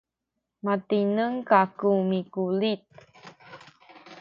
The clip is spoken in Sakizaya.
matineng kaku mikulit